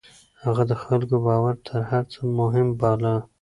هغه د خلکو باور تر هر څه مهم باله.